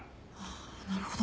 なるほど。